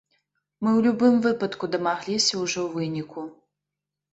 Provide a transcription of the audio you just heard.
Мы ў любым выпадку дамагліся ўжо выніку.